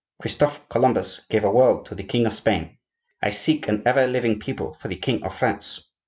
Christophe Columbus gave a world to the King of Spain; I seek an ever living people for the King of France.